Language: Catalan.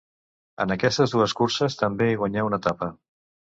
En aquestes dues curses també hi guanyà una etapa.